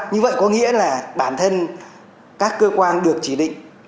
như vậy có nghĩa là bản thân các cơ quan được chỉ định